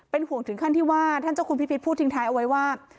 ห่วงถึงขั้นที่ว่าท่านเจ้าคุณพิพิษพูดทิ้งท้ายเอาไว้ว่า